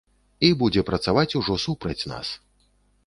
І будзе працаваць ужо супраць нас.